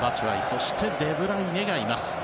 そしてデブライネがいます。